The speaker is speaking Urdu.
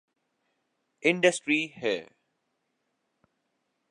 انڈسٹری ہے۔